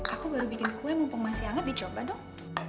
aku baru bikin kue mumpung masih hangat dicoba dong